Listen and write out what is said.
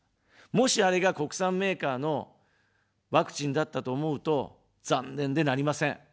もし、あれが国産メーカーのワクチンだったと思うと残念でなりません。